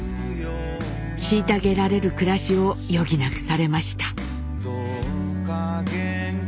虐げられる暮らしを余儀なくされました。